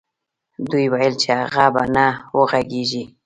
دوی ويل چې هغه به نه وغږېږي.